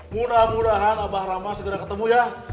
mudah mudahan abah rama segera ketemu ya